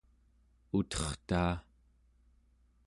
utertaa